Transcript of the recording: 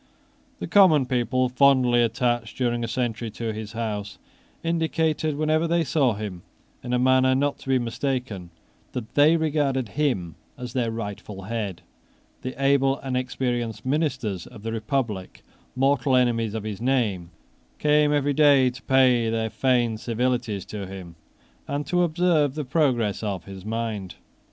The common people, fondly attached during a century to his house, indicated, whenever they saw him, in a manner not to be mistaken, that they regarded him as their rightful head. The able and experienced ministers of the republic, mortal enemies of his name, came every day to pay their feigned civilities to him, and to observe the progress of his mind.